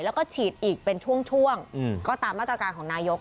แล้วก็ฉีดอีกเป็นช่วงก็ตามมาตรการของนายก